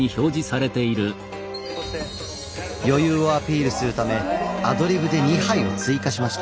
余裕をアピールするためアドリブで２杯を追加しました。